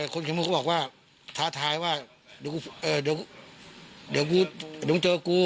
คนชมพูดก็บอกว่าท้าทายว่าเดี๋ยวคุณเจอกู